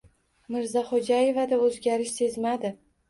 Mirzaxo‘jaevada o‘zgarish sezmadi.